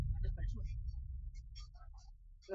Jaurlaritza uztean, Bizkaiko Labe Garaietan sartu zen.